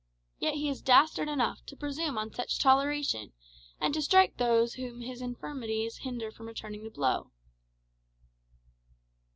Yet he is dastard enough to presume on such toleration, and to strike those whom his own infirmities hinder from returning the blow."